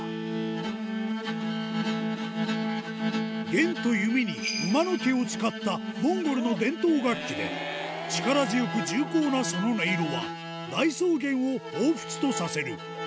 弦と弓に馬の毛を使ったモンゴルの伝統楽器で力強く重厚なその音色は大草原をほうふつとさせる